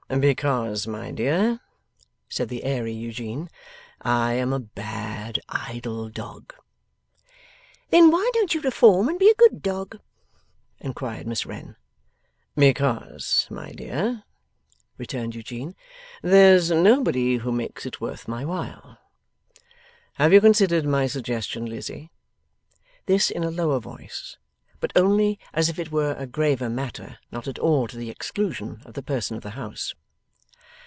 'Because, my dear,' said the airy Eugene, 'I am a bad idle dog.' 'Then why don't you reform and be a good dog?' inquired Miss Wren. 'Because, my dear,' returned Eugene, 'there's nobody who makes it worth my while. Have you considered my suggestion, Lizzie?' This in a lower voice, but only as if it were a graver matter; not at all to the exclusion of the person of the house.